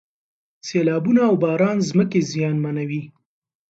سیلابونه او باران ځمکې زیانمنوي.